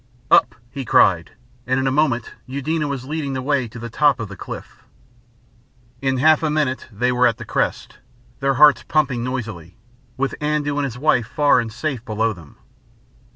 "Up!" he cried, and in a moment Eudena was leading the way to the top of the cliff. In half a minute they were at the crest, their hearts pumping noisily, with Andoo and his wife far and safe below them.